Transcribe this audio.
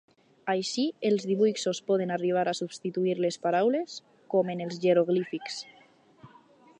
Així, els dibuixos poden arribar a substituir les paraules, com en els jeroglífics.